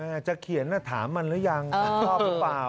มันอาจจะเขียนหน้าถามันหรือยังความรับหรือเปล่า